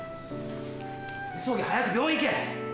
急げ早く病院行け！